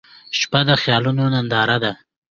• شپه د خیالونو ننداره ده.